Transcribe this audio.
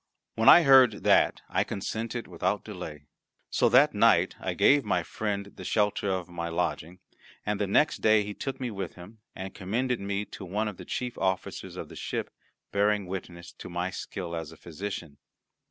When I heard that, I consented without delay. So that night I gave my friend the shelter of my lodging; and the next day he took me with him, and commended me to one of the chief officers of the ship, bearing witness to my skill as a physician.